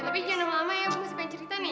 tapi jangan lama lama ya bu masih pengen cerita nih